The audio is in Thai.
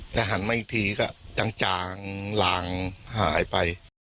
แต่หันมาอีกทีก็จางลางหายไป